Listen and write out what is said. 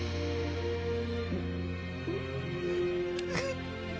うっ。